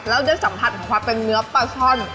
แล้วได้สัมผัสของความเป็นเนื้อปลาช่อน